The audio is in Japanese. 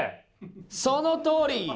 そのとおり！